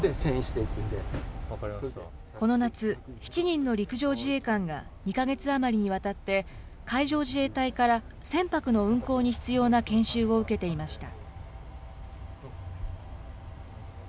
この夏、７人の陸上自衛官が、２か月余りにわたって、海上自衛隊から船舶の運航に必要な研修を受けていました。